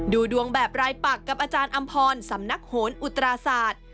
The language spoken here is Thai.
ดูดวงแบบรายปักกับอาจารย์อำพรสำนักโหนอุตราศาสตร์